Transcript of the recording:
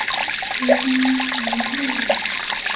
徙封长乐王。